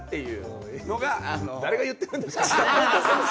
誰が言ってるんですか。